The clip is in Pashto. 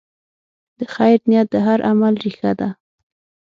د خیر نیت د هر عمل ریښه ده.